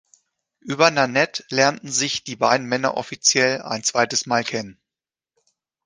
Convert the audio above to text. Über Nanette lernen sich die beiden Männer offiziell ein zweites Mal kennen.